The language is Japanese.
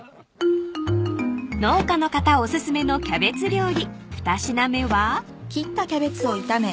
［農家の方お薦めのキャベツ料理２品目は］